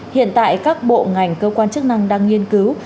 hiện tại các bộ ngành cơ quan chức năng đang nghiên cứu